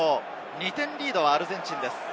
２点リードはアルゼンチンです。